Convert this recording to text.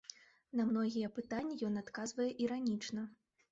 На многія пытанні ён адказвае іранічна.